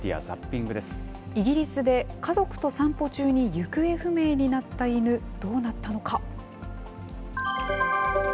ザッピイギリスで、家族と散歩中に行方不明になった犬、どうなったのか。